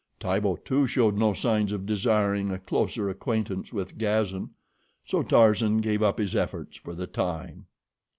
Tibo, too, showed no signs of desiring a closer acquaintance with Gazan, so Tarzan gave up his efforts for the time.